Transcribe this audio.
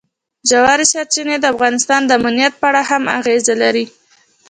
ژورې سرچینې د افغانستان د امنیت په اړه هم اغېز لري.